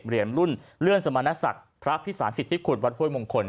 เหรียญรุ่นเลื่อนสมณศักดิ์พระพิสารสิทธิคุณวัดห้วยมงคล